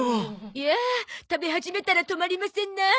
いや食べ始めたら止まりませんなあ。